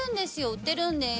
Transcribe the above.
売ってるんです。